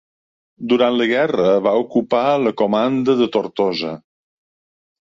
Durant la guerra va ocupar la comanda de Tortosa.